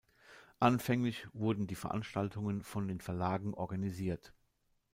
Anfänglich wurden die Veranstaltungen von den Verlagen organisiert.